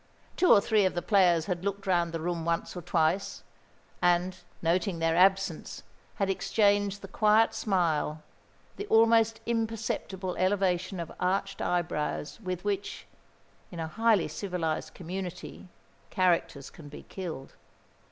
Two or three of the players had looked round the room once or twice, and, noting their absence, had exchanged the quiet smile, the almost imperceptible elevation of arched eyebrows, with which, in a highly civilised community, characters can be killed.